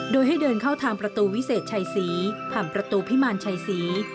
โดยให้เดินเข้าทางประตูวิเศษชัยศรีผ่านประตูพิมารชัยศรี